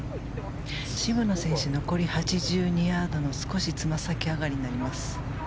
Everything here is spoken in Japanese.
渋野選手残り８２ヤードの少しつま先上がりになります。